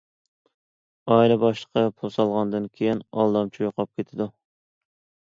ئائىلە باشلىقى پۇل سالغاندىن كېيىن، ئالدامچى يوقاپ كېتىدۇ.